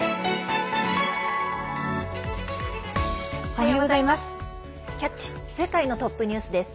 おはようございます。